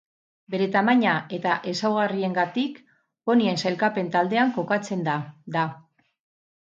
Bere tamaina eta ezaugarriengatik ponien sailkapen taldean kokatzen da da.